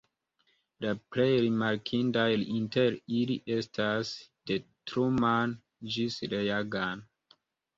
La plej rimarkindaj inter ili estas "De Truman ĝis Reagan.